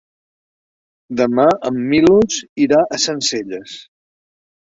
Demà en Milos irà a Sencelles.